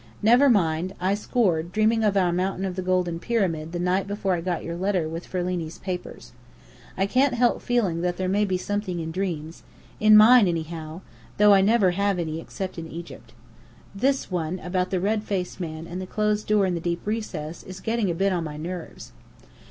Never mind, I scored, dreaming of our Mountain of the Golden Pyramid the night before I got your letter with Ferlini's papers. I can't help feeling that there may be something in dreams in mine, anyhow, though I never have any except in Egypt. This one about the red faced man and the closed door in the deep recess is getting a bit on my nerves.